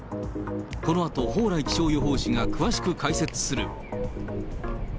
このあと、蓬莱気象予報士が詳しく解説する。